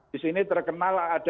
di sini terkenal